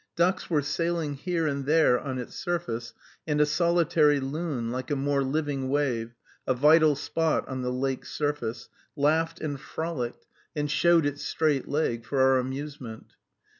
Ducks were sailing here and there on its surface, and a solitary loon, like a more living wave, a vital spot on the lake's surface, laughed and frolicked, and showed its straight leg, for our amusement.